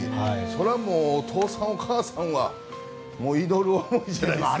それはお父さんお母さんは祈るどころじゃないですよね。